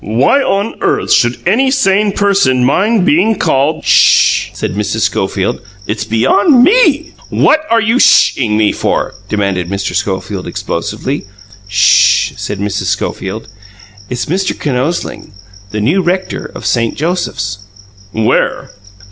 "Why on earth should any sane person mind being called " "SH!" said Mrs. Schofield. "It's beyond ME!" "What are you SH ing me for?" demanded Mr. Schofield explosively. "SH!" said Mrs. Schofield. "It's Mr. Kinosling, the new rector of Saint Joseph's." "Where?"